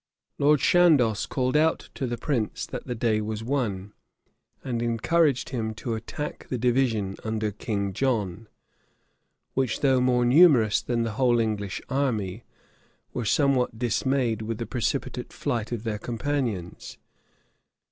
Lord Chandos called out to the prince, that the day was won; and encouraged him to attack the division under King John, which, though more numerous than the whole English army, were somewhat dismayed with the precipitate flight of their companions.